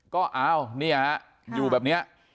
ก็เอาเนี่ยอยู่แบบเนี้ย